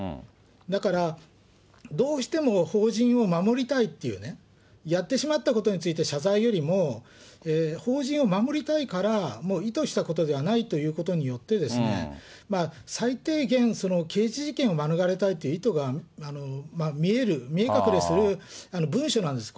だから、どうしても法人を守りたいっていうね、やってしまったことについて謝罪よりも、法人を守りたいから、もう意図したことではないということによってですね、最低限、その刑事事件を免れたいという意図が見える、見え隠れする文章なんです。